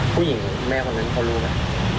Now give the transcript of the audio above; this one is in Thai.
ผู้หญิงแม่คนนั้นเขารู้ไหม